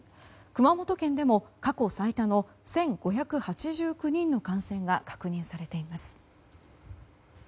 熊本県でも過去最多の１５８９人の感染が確認されています。